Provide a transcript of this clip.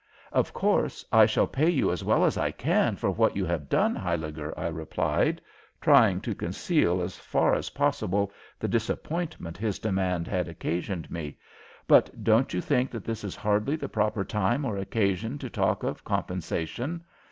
"Of course, I shall pay you as well as I can for what you have done, Huyliger," I replied, trying to conceal as far as possible the disappointment his demand had occasioned me. "But don't you think that this is hardly the proper time or occasion to talk of compensation?